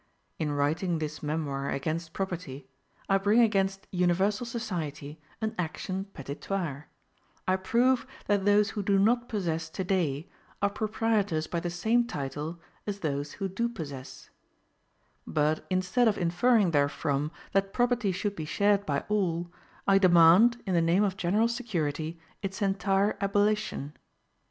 In writing this memoir against property, I bring against universal society an action petitoire: I prove that those who do not possess to day are proprietors by the same title as those who do possess; but, instead of inferring therefrom that property should be shared by all, I demand, in the name of general security, its entire abolition.